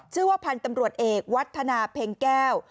ชื่อว่าพันธ์ตำรวจเอกวัฒนาเพ็งแก้ว